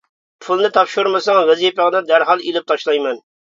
پۇلنى تاپشۇرمىساڭ ۋەزىپەڭدىن دەرھال ئېلىپ تاشلايمەن!